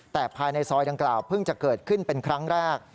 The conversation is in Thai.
แต่ภายในซอยดังกล่าวเพิ่งจะเกิดขึ้นเป็นครั้งแรก